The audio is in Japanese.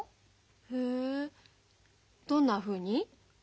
へえどんなふうに？